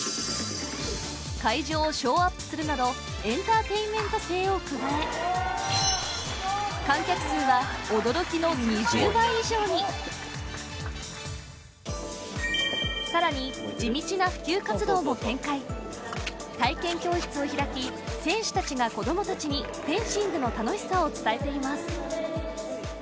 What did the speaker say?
会場をショーアップするなどエンターテインメント性を加え観客数は驚きの２０倍以上にさらに地道な普及活動も展開体験教室を開き選手たちが子どもたちにフェンシングの楽しさを伝えています